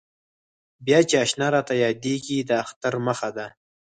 بیا چې اشنا راته یادېږي د اختر مخه ده.